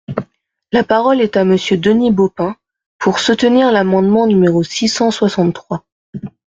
La parole est à Monsieur Denis Baupin, pour soutenir l’amendement numéro six cent soixante-trois.